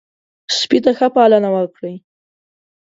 سپي ته ښه پالنه وکړئ.